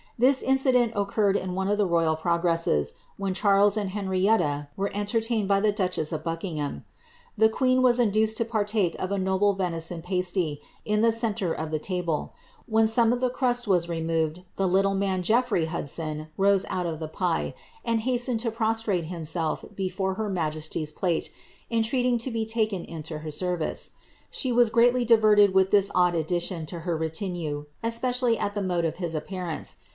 Tills incident occurred in one of the royal progresses, when Charles v.] Henrietta w^ere entertained by the duchess of Buckingham. The Sin was induced to partake of a noble venison pasty in the centre of ■;.e 'lable ; when some of the crust was removed, tlie lilile man GcoUVy 46 HENRIETTA MARIA. Hudson rose out of the pie, and hastened to prostrate himself befo her majesty^s pl&te, entreating to be taken into her service. She ws greatly diverted with this odd addition to her retinue, especially at mode of his appearance.